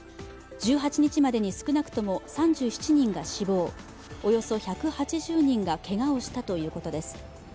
１８日までに少なくとも３７人が死亡、およそ１８０人がけがをしたということです。